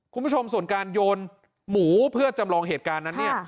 คุณผู้ชมส่วนการโยนหมูเพื่อจำลองเหตุการณ์นั้นเนี่ย